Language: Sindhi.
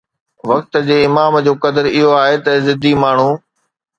وقت جي امام جو قدر اهو آهي ته ضدي ماڻهو